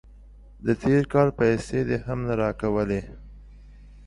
د تیر کال پیسې دې هم نه راکولې.